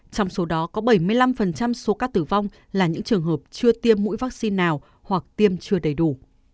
trong số đó có bảy mươi năm số ca tử vong là những trường hợp chưa tiêm mũi vaccine nào hoặc tiêm chưa đầy đủ